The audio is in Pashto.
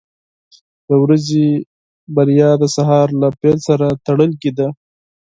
• د ورځې بریا د سهار له پیل سره تړلې ده.